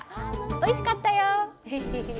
おいしかったよ！